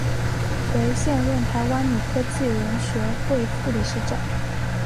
为现任台湾女科技人学会副理事长。